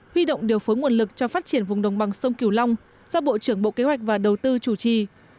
huy động điều phối nguồn lực cho phát triển vùng đồng bằng sông kiều long do bộ trưởng bộ kế hoạch và đầu tư chủ trì